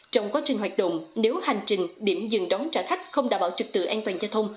trong quá trình hoạt động nếu hành trình điểm dừng đón trả khách không đảm bảo trực tự an toàn giao thông